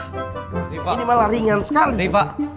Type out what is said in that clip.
nih mela ringan sekali